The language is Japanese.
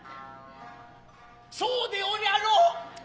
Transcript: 然うでおりやろう。